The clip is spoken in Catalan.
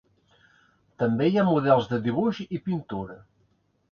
També hi ha models de dibuix i pintura.